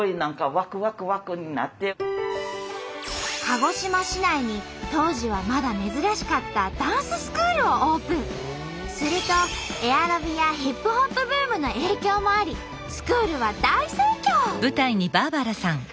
鹿児島市内に当時はまだ珍しかったするとエアロビやヒップホップブームの影響もありスクールは大盛況！